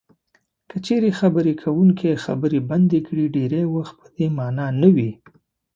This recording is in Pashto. که چېرې خبرې کوونکی خبرې بندې کړي ډېری وخت په دې مانا نه وي.